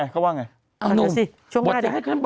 เขาว่าไง